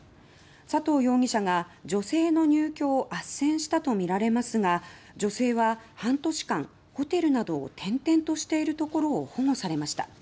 佐藤容疑者が女性の入居を斡旋したとみられますが女性は半年間、ホテルなどを転々としているところを保護されました。